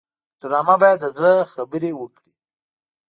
ډرامه باید د زړه خبرې وکړي